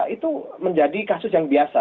itu menjadi kasus yang biasa